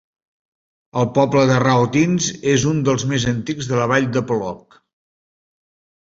El poble de Raotince és un dels més antics de la vall de Polog.